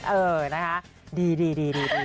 เออนะคะดี